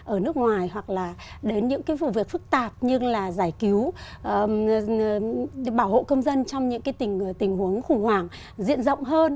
ở nước ngoài hoặc là đến những vụ việc phức tạp như là giải cứu bảo hộ công dân trong những tình huống khủng hoảng diện rộng hơn